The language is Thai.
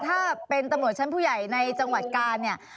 ถ้าเป็นตำรวจชั้นผู้ใหญ่ในจังหวัดกาลเนี่ย